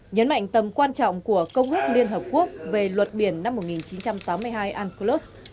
nhấn mạnh tầm quan trọng của công ước liên hợp quốc về luật biển năm một nghìn chín trăm tám mươi hai unclos